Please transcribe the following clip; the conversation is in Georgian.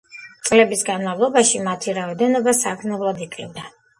წლების განმავლობაში მათი რაოდენობა საგრძნობლად იკლებდა.